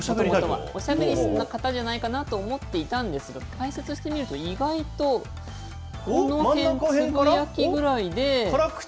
おしゃべりが好きな方じゃないかなと思っていたんですけど、解説してみると、意外とこの辺、辛口かと思いきや、あれ？